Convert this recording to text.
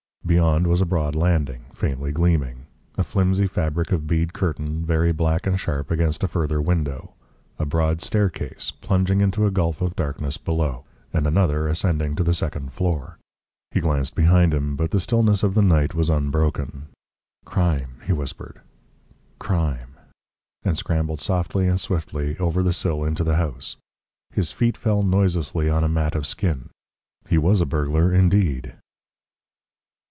Beyond was a broad landing, faintly gleaming; a flimsy fabric of bead curtain, very black and sharp, against a further window; a broad staircase, plunging into a gulf of darkness below; and another ascending to the second floor. He glanced behind him, but the stillness of the night was unbroken. "Crime," he whispered, "crime," and scrambled softly and swiftly over the sill into the house. His feet fell noiselessly on a mat of skin. He was a burglar indeed!